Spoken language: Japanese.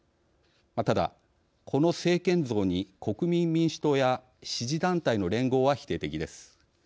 ただ、この政権像に国民民主党や支持団体の連合は否定的です。